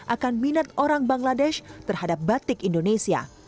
akan minat orang bangladesh terhadap batik indonesia